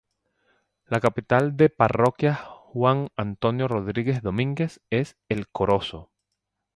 La capital de Parroquia Juan Antonio Rodríguez Domínguez es El Corozo.